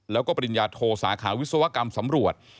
แล้วก็ปริญญาโทสาขาวิศวกรรมสำรวจ